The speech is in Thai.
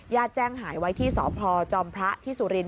ญาติแจ้งหายไว้ที่สอบพรจอมพระที่สุรินทร์